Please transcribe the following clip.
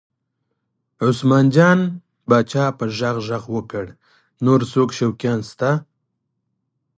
عثمان جان پاچا په غږ غږ وکړ نور څوک شوقیان شته؟